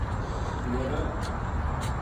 مورا